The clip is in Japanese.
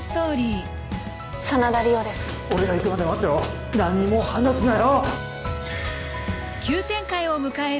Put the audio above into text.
俺が行くまで待ってろ何も話すなよ！